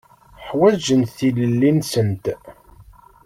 Ḥwaǧent tilelli-nsent.